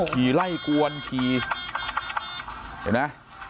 ขี่ไล่กวนขี่เห็นไหม